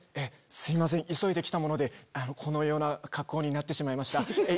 すいません急いで来たものでこの格好になってしまいました。